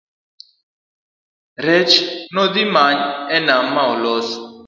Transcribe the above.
rech nodhimany e nam maolos